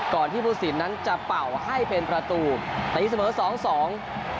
ก่อนที่ภูศินทร์นั้นจะเป่าให้เป็นประตูตัวนี้เสมอสองสอง